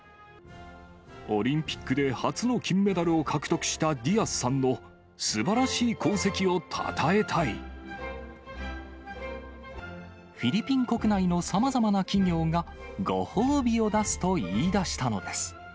オリンピックで初の金メダルを獲得したディアスさんのすばらフィリピン国内のさまざまな企業が、ご褒美を出すと言い出したのです。